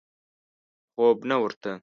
خوب نه ورته.